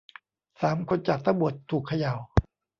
สามคนจากทั้งหมดถูกเขย่า